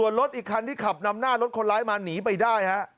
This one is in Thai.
ส่วนรถอีกคันที่ขับนำหน้ารถคนร้ายมาหนีไปได้ฮะ